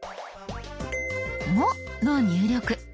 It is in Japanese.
「も」の入力。